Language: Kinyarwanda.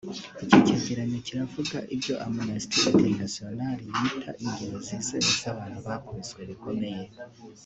Iki cyegeranyo kiravuga ibyo Amnesty Internatianal yita ingero z’izewe z’abantu bakubiswe bikomeye